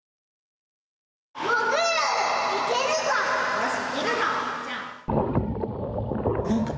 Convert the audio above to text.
よしいけるぞ！